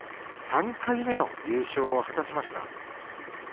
３回目の優勝を果たしました。